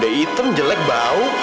udah hitam jelek bau